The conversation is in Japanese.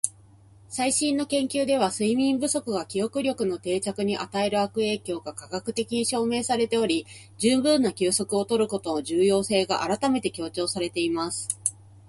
「最新の研究では、睡眠不足が記憶力の定着に与える悪影響が科学的に証明されており、十分な休息を取ることの重要性が改めて強調されています。」